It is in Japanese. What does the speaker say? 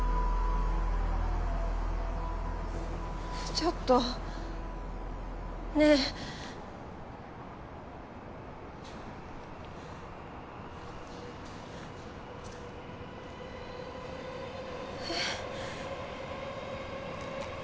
ちょっと？ねえ？え！？